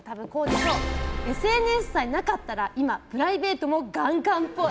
ＳＮＳさえなかったら今、プライベートもガンガンっぽい。